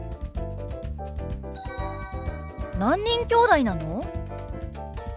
何人きょうだいなの？